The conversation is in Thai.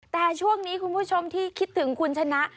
แต่ช่วงนี้คุณผู้ชมที่คิดถึงคุณชนะ